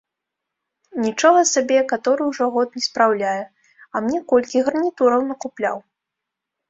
Нічога сабе каторы ўжо год не спраўляе, а мне колькі гарнітураў накупляў.